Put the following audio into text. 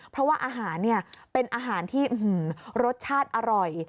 เพราะว่าอาหารเป็นอาหารที่รสชาติอร่อย